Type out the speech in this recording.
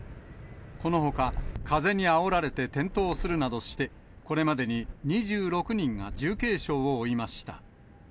このほか、風にあおられて転倒するなどして、これまでに２６人が重軽傷を負いました。